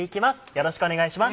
よろしくお願いします。